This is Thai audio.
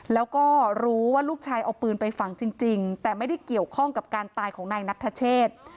แล้วก็รู้ว่าลูกชายเอาปืนไปฝังจริงแต่ไม่ได้เกี่ยวข้องกับการตายของนายนัทเชษ